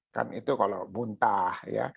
kan itu kalau buntah